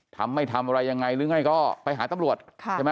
ทำไม่ทำอะไรยังไงหรือไงก็ไปหาตำรวจใช่ไหม